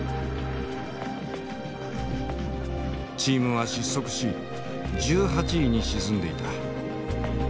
チームは失速し１８位に沈んでいた。